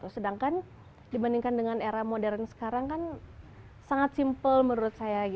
sedangkan dibandingkan dengan era modern sekarang kan sangat simpel menurut saya